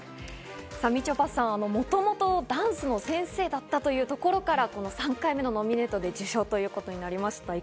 みちょぱさん、もともとダンスの先生だったというところから３回目のノミネートで受賞ということになりました。